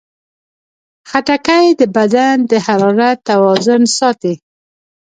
خټکی د بدن د حرارت توازن ساتي.